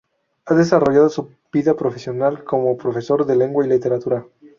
Ha desarrollado su vida profesional como profesor de Lengua y Literatura.